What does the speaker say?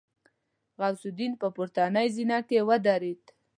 غوث الدين په پورتنۍ زينه کې ودرېد.